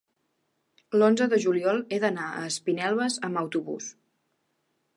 l'onze de juliol he d'anar a Espinelves amb autobús.